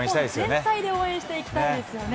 全体で応援していきたいですよね。